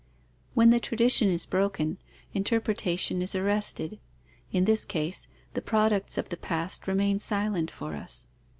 When the tradition is broken, interpretation is arrested; in this case, the products of the past remain silent for us.